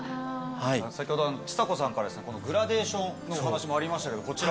先ほどちさ子さんからですねグラデーションのお話もありましたけどこちらは？